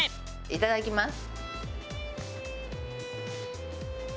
いただきます。